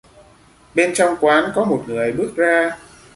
Bên trong quán có một người bước ra